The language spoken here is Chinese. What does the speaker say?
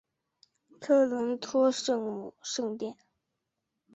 特伦托圣母圣殿。